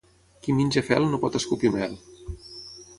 Qui menja fel no pot escopir mel.